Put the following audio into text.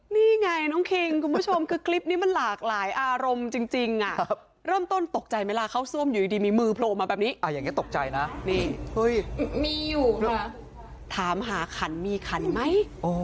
นี่ไงน้องคิงคุณผู้ชมคือคลิปนี้มันหลากหลายอารมณ์จริงเริ่มต้นตกใจไหมล่ะเข้าซ่วมอยู่ดีมีมือโผล่มาแบบนี้อย่างนี้ตกใจนะนี่มีอยู่ถามหาขันมีขันไหม